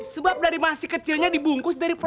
sebab dari masih kecilnya dibungkus dengan seksama